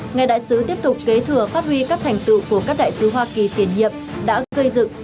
ngài đại sứ tiếp tục kế thừa phát huy các thành tựu của các đại sứ hoa kỳ tiền nhiệm đã gây dựng